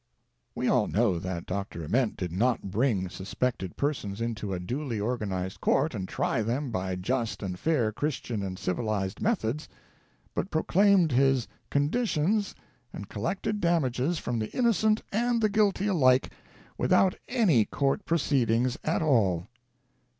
We all know that Dr. Ament did not bring suspected persons into a duly organized court and try them by just and fair Chris tian and civilized methods, but proclaimed his "conditions," and collected damages from the innocent and the guilty alike, without any court proceedings at all.